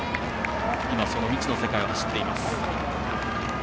その未知の世界を走っています。